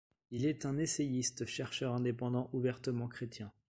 Il est un essayiste, chercheur indépendant ouvertement chrétien.